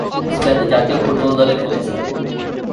স্পেনের জাতীয় ফুটবল দলে খেলেছেন।